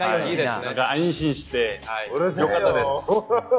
安心してよかったです。